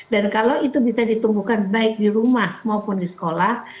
dan kalau itu bisa ditumbuhkan baik di rumah maupun di sekolah